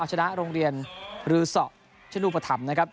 หรือศชนูปธรรมนะครับ